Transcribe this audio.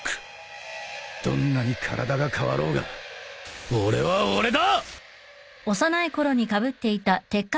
どんなに体が変わろうが俺は俺だ！